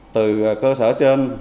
từ cơ sở trên